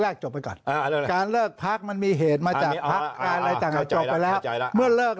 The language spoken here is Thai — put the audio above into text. แรกจบไปก่อนการเลิกพักมันมีเหตุมาจากจบไปแล้วเมื่อเลิก